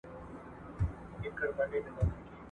هغه ټولنه چي کتاب ته ارزښت ورکوي د پرمختګ پر لور ګامونه اخلي !.